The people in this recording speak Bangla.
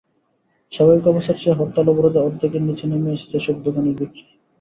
স্বাভাবিক অবস্থার চেয়ে হরতাল-অবরোধে অর্ধেকের নিচে নেমে এসেছে এসব দোকানির বিক্রি।